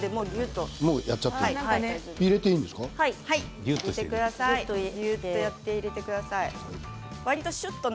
ぎゅっとして入れてください。